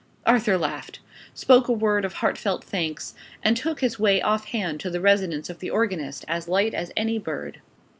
Arthur laughed; spoke a word of heartfelt thanks; and took his way off hand to the residence of the organist as light as any bird.